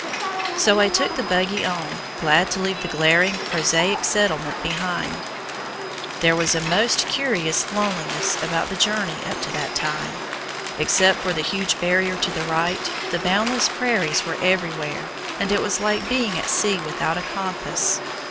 So I took the buggy on, glad to leave the glaring, prosaic settlement behind. There was a most curious loneliness about the journey up to that time. Except for the huge barrier to the right, the boundless prairies were everywhere, and it was like being at sea without a compass.